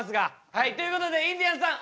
はいということでインディアンスさん